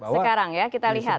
sekarang ya kita lihat